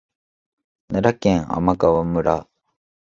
奈良県天川村